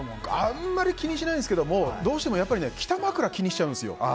あんまり気にしないですがどうしても北枕を気にしちゃうんですよ。